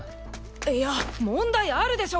いや問題あるでしょ